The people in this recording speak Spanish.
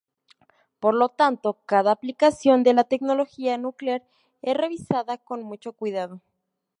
Por lo tanto, cada aplicación de la tecnología nuclear es revisada con mucho cuidado.